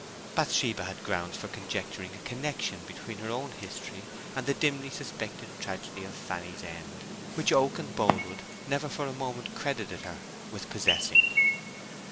Bathsheba had grounds for conjecturing a connection between her own history and the dimly suspected tragedy of Fanny's end which Oak and Boldwood never for a moment credited her with possessing.